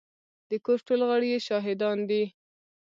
د کور ټول غړي يې شاهدان دي.